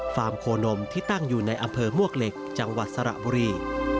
โคนมที่ตั้งอยู่ในอำเภอมวกเหล็กจังหวัดสระบุรี